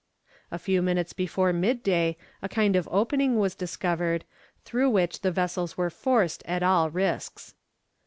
A few minutes before midday a kind of opening was discovered, through which the vessels were forced at all risks.